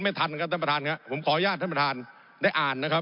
ผมอภิปรายเรื่องการขยายสมภาษณ์รถไฟฟ้าสายสีเขียวนะครับ